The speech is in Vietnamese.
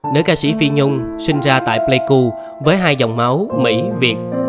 nữ ca sĩ phi nhung sinh ra tại pleiku với hai dòng máu mỹ việt